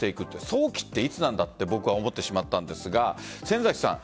早期っていつなんだと僕は思ってしまったんですが先崎さん